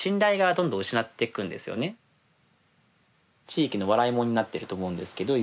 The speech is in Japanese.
地域の笑いものになってると思うんですけど。